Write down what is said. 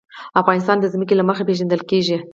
افغانستان د ځمکه له مخې پېژندل کېږي.